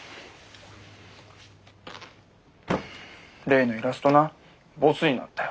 例のイラストなボツになったよ。